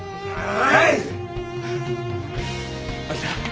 はい。